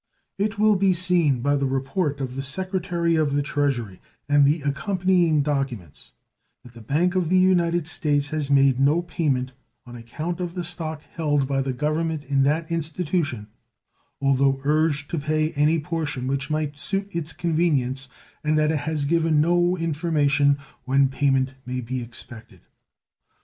It will be seen by the report of the Secretary of the Treasury and the accompanying documents that the Bank of the United States has made no payment on account of the stock held by the Government in that institution, although urged to pay any portion which might suit its convenience, and that it has given no information when payment may be expected.